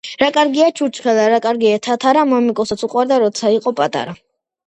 რა კარგია ჩურჩხელა რა კარგია თათარა მამიკოსაც უყვარდა როცა იყო პატარა.